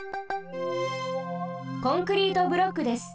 コンクリートブロックです。